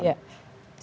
saya sih tidak melihat